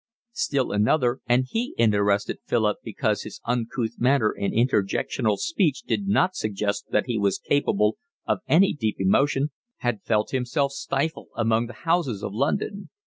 Still another, and he interested Philip because his uncouth manner and interjectional speech did not suggest that he was capable of any deep emotion, had felt himself stifle among the houses of London.